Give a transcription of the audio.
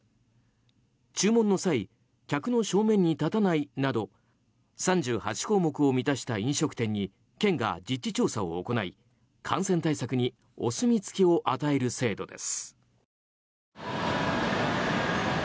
注文の際客の正面に立たないなど３８項目を満たした飲食店に県が実地調査を行い感染対策にお墨付きを与える制度です。